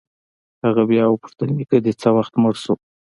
هغه بيا وپوښتل نيکه دې څه وخت مړ سو.